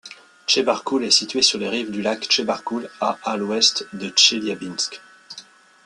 Tchebarkoul est située sur les rives du lac Tchebarkoul, à à l'ouest de Tcheliabinsk.